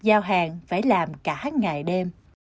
giao hàng phải làm cả ngày đêm